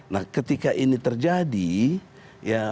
nah ketika ini terjadi ya